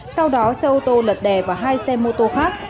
sau đó xe ô tô lật đè vào hai xe mô tô khác